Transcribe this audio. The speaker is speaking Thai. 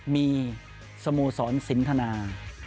มีสโมสรสินทนา